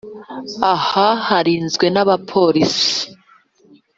Aha harinzwe n’abapolisi